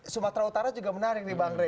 sumatera utara juga menarik di bangre